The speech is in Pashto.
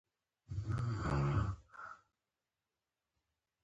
لرګی باید بېځایه ونه سوځول شي.